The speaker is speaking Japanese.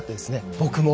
僕も。